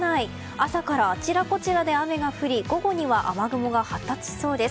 朝からあちらこちらで雨が降り午後には雨雲が発達しそうです。